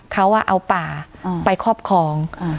เขาเอาป่าไปครอบครอง